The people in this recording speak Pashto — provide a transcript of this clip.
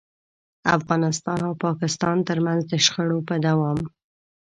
افغانستان او پاکستان ترمنځ د شخړو په دوام.